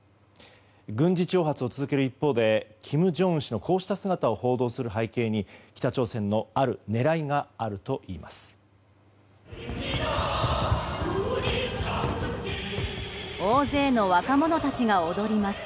軍事挑発を続ける一方で金正恩氏のこうした姿を報道する背景に、北朝鮮のある狙いがあるといいます。